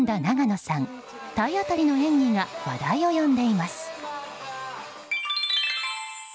体当たりの演技が話題を呼んでいます。